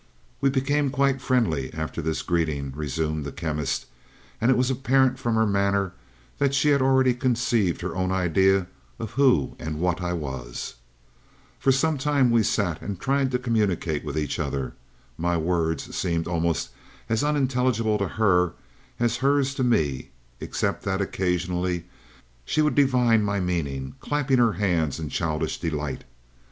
"We became quite friendly after this greeting," resumed the Chemist, "and it was apparent from her manner that she had already conceived her own idea of who and what I was. "For some time we sat and tried to communicate with each other. My words seemed almost as unintelligible to her as hers to me, except that occasionally she would divine my meaning, clapping her hands in childish delight.